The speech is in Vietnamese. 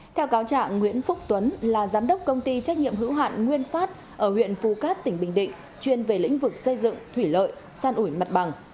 theo cáo trạng nguyễn phúc tuấn là giám đốc công ty trách nhiệm hữu hạn nguyên phát ở huyện phu cát tỉnh bình định chuyên về lĩnh vực xây dựng thủy lợi san ủi mặt bằng